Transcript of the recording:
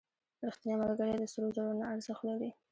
• رښتینی ملګری د سرو زرو نه ارزښت لري.